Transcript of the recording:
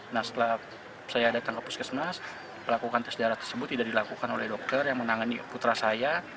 nah setelah saya datang ke puskesmas melakukan tes darah tersebut tidak dilakukan oleh dokter yang menangani putra saya